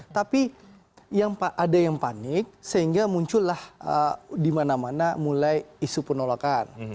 tapi ada yang panik sehingga muncullah di mana mana mulai isu penolakan